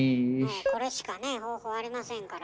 これしかね方法ありませんから。